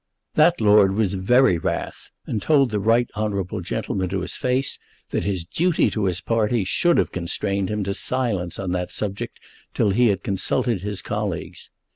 That lord was very wrath, and told the right honourable gentleman to his face that his duty to his party should have constrained him to silence on that subject till he had consulted his colleagues.